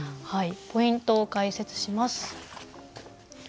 ポイントを解説します。